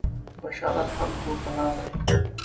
بشارت هم کور ته راغی.